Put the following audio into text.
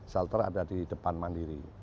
shelter ada di depan mandiri